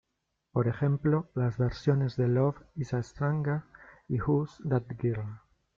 Por ejemplo, las versiones de "Love Is a Stranger" y "Who's That Girl?